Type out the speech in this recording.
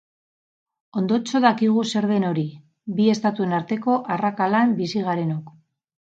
Ondotxo dakigu zer den hori, bi estatuen arteko arrakalan bizi garenok.